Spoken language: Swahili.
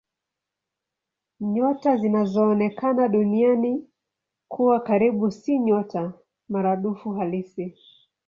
Nyota zinazoonekana Duniani kuwa karibu si nyota maradufu halisi.